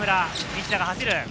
西田が走る。